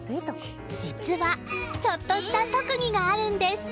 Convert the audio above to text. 実は、ちょっとした特技があるんです。